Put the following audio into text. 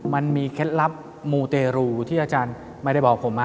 เคล็ดลับมูเตรูที่อาจารย์ไม่ได้บอกผม